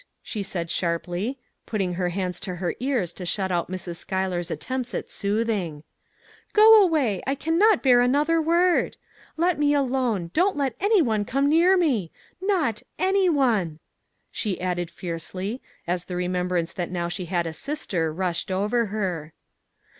" she said sharply, putting her hands to her ears to shut out Mrs. Schuyler's attempts at soothing. " Go away ! I can not bear another word. Let me alone, don't let any one come near me. Not any one! " she added, fiercely, as the remembrance that now she had a sister rushed over her.